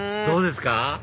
どうですか？